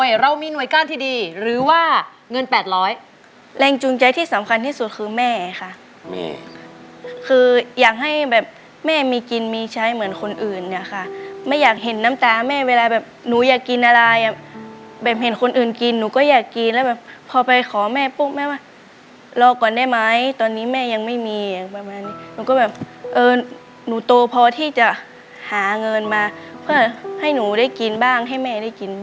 เรามีหน่วยก้านที่ดีหรือว่าเงินแปดร้อยแรงจูงใจที่สำคัญที่สุดคือแม่ค่ะแม่คืออยากให้แบบแม่มีกินมีใช้เหมือนคนอื่นเนี่ยค่ะไม่อยากเห็นน้ำตาแม่เวลาแบบหนูอยากกินอะไรอ่ะแบบเห็นคนอื่นกินหนูก็อยากกินแล้วแบบพอไปขอแม่ปุ๊บแม่ว่ารอก่อนได้ไหมตอนนี้แม่ยังไม่มีอย่างประมาณนี้หนูก็แบบเออหนูโตพอที่จะหาเงินมาเพื่อให้หนูได้กินบ้างให้แม่ได้กินบ้าง